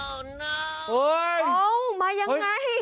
โอ้น้าวโอ้มายังไง